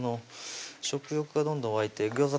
食欲がどんどん湧いてギョーザ